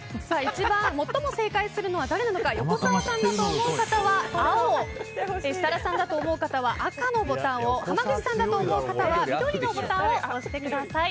最も正解するのは誰なのか横澤さんだと思う方は青設楽さんだと思う方は赤のボタンを濱口さんだと思う方は緑のボタンを押してください。